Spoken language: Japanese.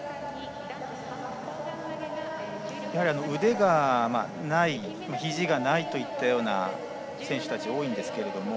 腕がないひじがないといったような選手たちが多いんですが。